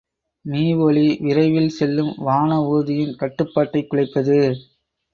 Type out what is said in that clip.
மீஒலி விரைவில் செல்லும் வானஊர்தியின் கட்டுப்பாட்டைக் குலைப்பது.